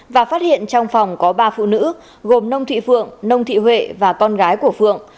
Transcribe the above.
và phát hiện trong phòng có ba phụ nữ gồm nông thị phượng nông thị huệ và con gái của phượng